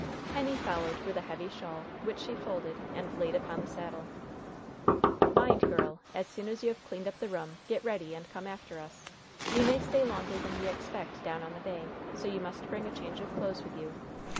Henny followed with a heavy shawl, which she folded and laid upon the saddle. "Mind, girl; as soon as you have cleaned up the room, get ready and come after us. We may stay longer than we expect Down on the Bay, so you must bring a change of clothes with you.